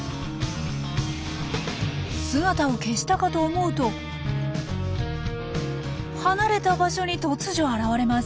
姿を消したかと思うと離れた場所に突如現れます。